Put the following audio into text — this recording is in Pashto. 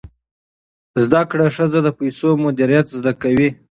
زده کړه ښځه د پیسو مدیریت زده کوي.